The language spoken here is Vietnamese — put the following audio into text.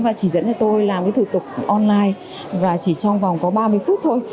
và chỉ dẫn cho tôi làm cái thủ tục online và chỉ trong vòng có ba mươi phút thôi